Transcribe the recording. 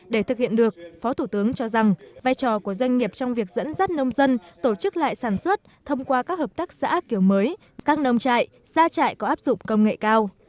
để thực hiện được phó thủ tướng cho rằng vai trò của doanh nghiệp trong việc dẫn dắt nông dân tổ chức lại sản xuất thông qua các hợp tác xã kiểu mới các nông trại gia trại có áp dụng công nghệ cao